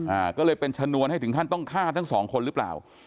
อ่าก็เลยเป็นชนวนให้ถึงขั้นต้องฆ่าทั้งสองคนหรือเปล่า